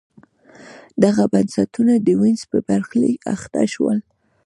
دغه بنسټونه د وینز په برخلیک اخته شول.